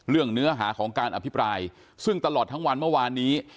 เนื้อหาของการอภิปรายซึ่งตลอดทั้งวันเมื่อวานนี้